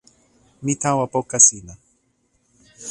mi tawa poka sina.